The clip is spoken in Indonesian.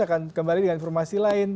akan kembali dengan informasi lain